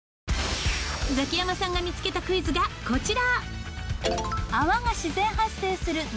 ザキヤマさんが見付けたクイズがこちら。